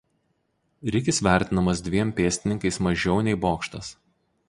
Rikis vertinamas dviem pėstininkais mažiau nei bokštas.